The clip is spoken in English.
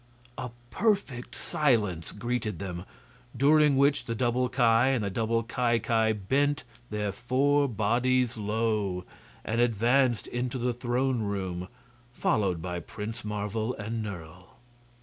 A perfect silence greeted them, during which the double Ki and the double Ki Ki bent their four bodies low and advanced into the throne room, followed by Prince Marvel and Nerle.